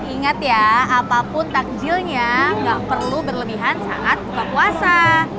ingat ya apapun takjilnya nggak perlu berlebihan saat buka puasa